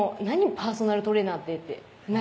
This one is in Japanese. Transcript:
パーソナルトレーナーって」って「何？